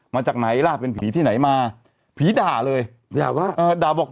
มาจากไหนล่ะเป็นผีที่ไหนมาผีด่าเลยด่าว่าเออด่าบอก